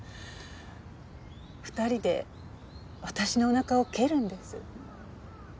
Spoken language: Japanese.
２人で私のおなかを蹴るんです。